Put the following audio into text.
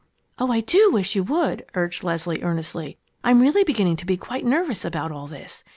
"Oh, I do wish you would!" urged Leslie, earnestly. "I'm really beginning to be quite nervous about all this.